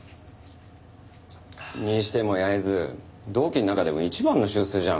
にしても焼津同期の中でも一番の出世じゃん。